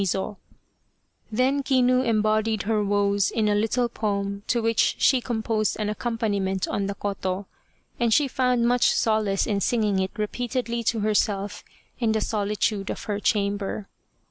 226 Kinu Returns from the Grave Then Kinu embodied her woes in a little poem to which she composed an accompaniment on the koto, and she found much solace singing it repeatedly to herself in the solitude of her chamber.